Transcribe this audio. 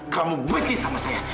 kamu benci sama saya